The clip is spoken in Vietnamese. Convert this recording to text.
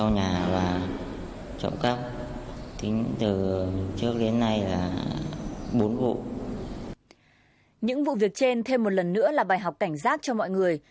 những vụ việc trên thêm một lần nữa là bài học cảnh giác cho mọi người